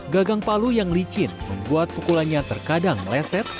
gagang palu yang licin membuat pukulannya terkadang meleset